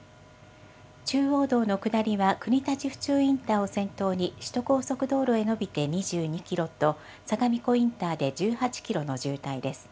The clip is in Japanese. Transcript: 中央道の下りは国立府中インターを先頭に、首都高速道路へ延びて２２キロと、相模湖インターで１８キロの渋滞です。